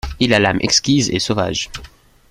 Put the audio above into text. Il a l'âme exquise et sauvage.